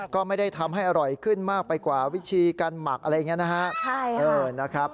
ก็ไม่ได้ทำให้อร่อยขึ้นมากไปกว่าวิธีการหมักอะไรอย่างนี้นะครับ